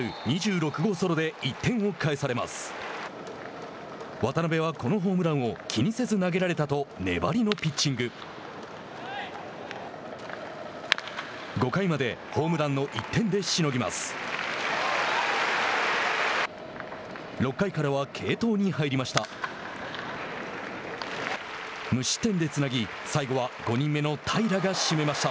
６回からは継投に入りました。